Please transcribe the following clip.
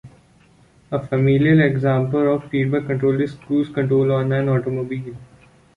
A familiar example of feedback control is cruise control on an automobile.